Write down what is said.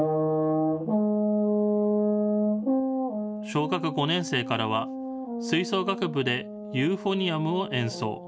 小学５年生からは吹奏楽部でユーフォニアムを演奏。